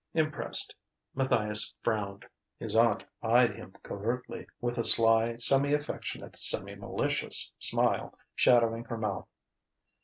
Impressed, Matthias frowned. His aunt eyed him covertly, with a sly, semi affectionate, semi malicious smile shadowing her mouth.